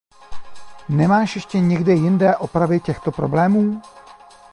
Nemáš ještě někde jinde opravy těchto problémů?